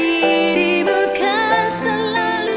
suara kamu indah sekali